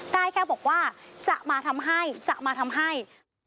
ได้แค่บอกว่าจะมาทำให้จะมาทำให้